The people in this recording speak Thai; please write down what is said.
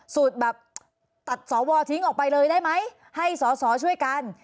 สูตรสอวาร์ทิ้งออกไปเลยได้ไหมให้สอช่วยกัน